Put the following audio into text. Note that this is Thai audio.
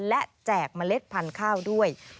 และแจกเมล็ดพันธุ์ข้าวด้วย